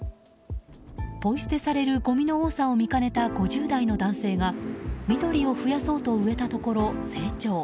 ポイ捨てされるごみの多さを見かねた５０代の男性が緑を増やそうと植えたところ成長。